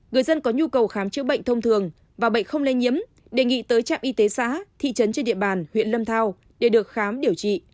người dân có nhu cầu khám chữa bệnh thông thường và bệnh không lây nhiễm đề nghị tới trạm y tế xã thị trấn trên địa bàn huyện lâm thao để được khám điều trị